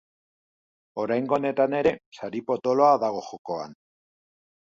Oraingo honetan ere, sari potoloa dago jokoan.